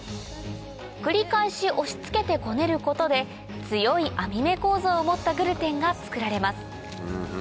繰り返し押し付けてこねることで強い網目構造を持ったグルテンが作られますへぇ！